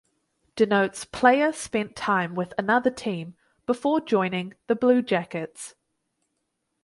Denotes player spent time with another team before joining the Blue Jackets.